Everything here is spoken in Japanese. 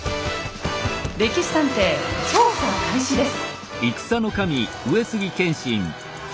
「歴史探偵」調査開始です。